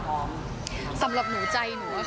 ออกงานอีเวนท์ครั้งแรกไปรับรางวัลเกี่ยวกับลูกทุ่ง